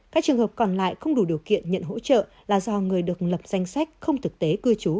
các trường hợp còn lại không đủ điều kiện nhận hỗ trợ là do người được lập danh sách không thực tế cư trú